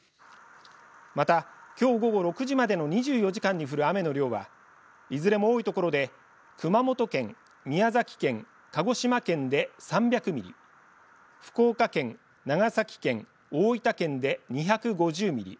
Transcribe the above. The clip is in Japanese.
また、きょう午後６時までの２４時間に降る雨の量はいずれも多い所で熊本県、宮崎県鹿児島県で３００ミリ福岡県、長崎県、大分県で２５０ミリ